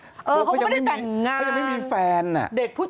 โป๊ะก็ไม่ได้แต่งงานเขายังไม่มีแฟนน่ะเด็ดพุทธ